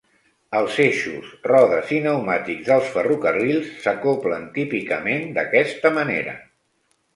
Els eixos, rodes i pneumàtics dels ferrocarrils s'acoblen típicament d'aquesta manera.